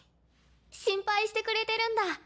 心配してくれてるんだ？